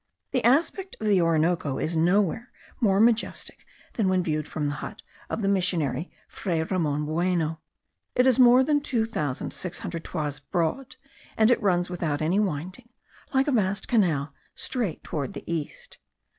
The aspect of the Orinoco is nowhere more majestic than when viewed from the hut of the missionary, Fray Ramon Bueno. It is more than two thousand six hundred toises broad, and it runs without any winding, like a vast canal, straight toward the east.